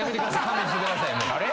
勘弁してください。